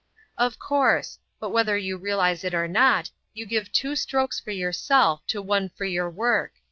"Of course; but, whether you realise it or not, you give two strokes for yourself to one for your work.